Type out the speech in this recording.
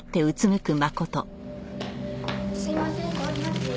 すいません通ります。